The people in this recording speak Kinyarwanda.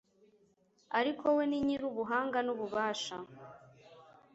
ariko we, ni nyir'ubuhanga n'ububasha